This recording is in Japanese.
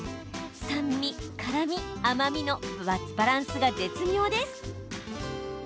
酸味、辛み、甘みのバランスが絶妙です。